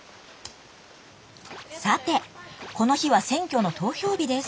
さてこの日は選挙の投票日です。